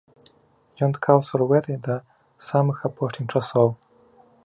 Ён ткаў сурвэты да самых апошніх часоў.